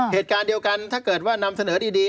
เหตุการณ์เดียวกันถ้าเกิดว่านำเสนอดี